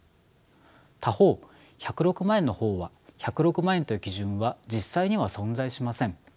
他方１０６万円の方は１０６万円という基準は実際には存在しません。